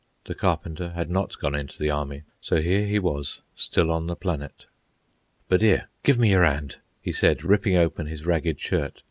The Carpenter had not gone into the army, so here he was, still on the planet. "But 'ere, give me your 'and," he said, ripping open his ragged shirt.